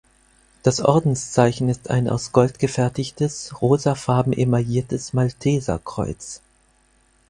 Das Ordenszeichen ist ein aus Gold gefertigtes rosafarben emailliertes Malteserkreuz.